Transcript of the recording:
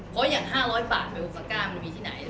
เพราะอย่าง๕๐๐บาทไปโอฟาก้ามันมีที่ไหน